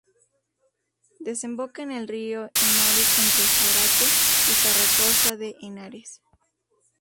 Desemboca en el río Henares entre Jadraque y Carrascosa de Henares.